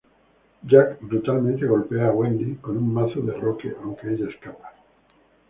Jack brutalmente golpea a Wendy con un mazo de roque, aunque ella escapa.